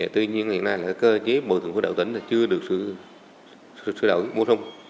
tuy nhiên hiện nay cơ chế bầu thường của đậu tỉnh chưa được sửa đổi mua rung